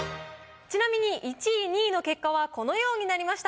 ちなみに１位２位の結果はこのようになりました。